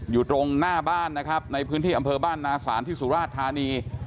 อยู่ตรงหน้าบ้านของเราในพื้นที่อ่ำเภอบ้านนาศรที่ศุษฐานี